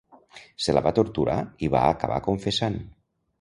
Se la va torturar i va acabar confessant.